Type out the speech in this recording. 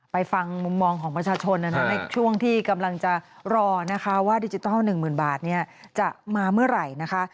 ฟังมุมมองของประชาชนในช่วงที่กำลังจะรอนะคะว่าดิจิทัล๑๐๐๐บาทจะมาเมื่อไหร่นะคะ